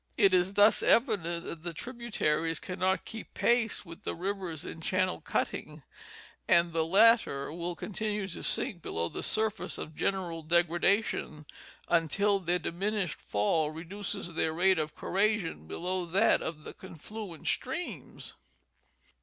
It is thus evident that the tributa ries cannot keep pace with the rivers in channel cutting, and the latter will continue to sink below the surface of general degrada tion until their diminished fall reduces their rate of corrasion below that of the confluent streams.